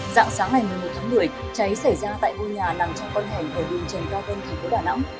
dạng sáng ngày một mươi một tháng một mươi cháy xảy ra tại ngôi nhà nằm trong con hẻm ở đường trần cao vân thành phố đà nẵng